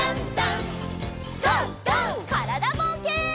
からだぼうけん。